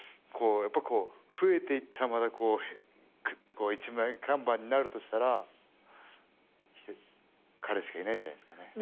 やっぱ増えていったらまたこうくっと一枚看板になるとしたら彼しかいないんじゃないですかね。